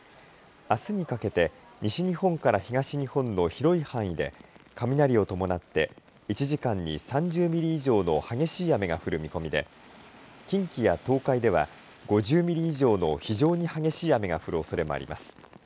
あすにかけて西日本から東日本の広い範囲で雷を伴って１時間に３０ミリ以上の激しい雨が降る見込みで近畿や東海では５０ミリ以上の非常に激しい雨が降るおそれがあります。